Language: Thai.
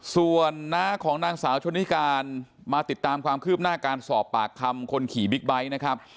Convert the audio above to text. ส่วนของนางสาวชนนิการติดตามความครืบหน้าการสอบปากคำคนขี่บิ๊กไบต์